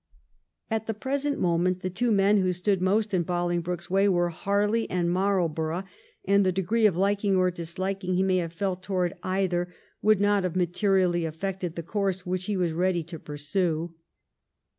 At the present moment the two men who stood most in Bolingbroke's way were Harley and Marl borough, and the degree of liking or disliking he may have felt towards either would not have materi ally affected the course which he was ready to pursue.